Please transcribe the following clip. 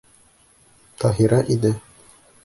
Таһира инә.